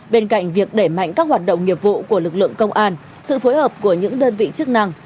bên cạnh việc đẩy mạnh các hoạt động nghiệp vụ của lực lượng công an sự phối hợp của những đơn vị chức năng